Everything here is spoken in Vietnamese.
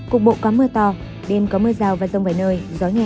cục bộ có mưa to đêm có mưa rào và rông vài nơi gió nhẹ